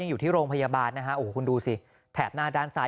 วันนี้ทีมข่าวไทยรัฐทีวีไปสอบถามเพิ่ม